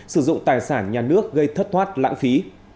sử dụng tài sản nhà nước gây thất thoát lãng phí